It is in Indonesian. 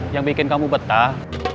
yang bikin kamu betah